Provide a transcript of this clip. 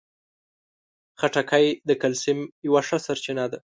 خټکی د کلسیم یوه ښه سرچینه ده.